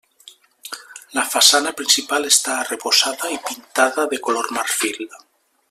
La façana principal està arrebossada i pintada de color marfil.